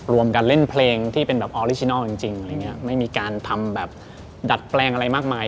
รวมกันเล่นเพลงที่เป็นแบบออริจินัลจริงอะไรอย่างเงี้ยไม่มีการทำแบบดัดแปลงอะไรมากมาย